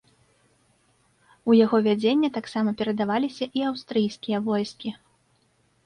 У яго вядзенне таксама перадаваліся і аўстрыйскія войскі.